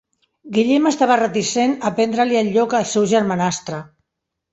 Guillem estava reticent a prendre-li el lloc al seu germanastre.